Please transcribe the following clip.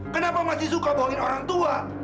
kenapa masih suka bohongin orang tua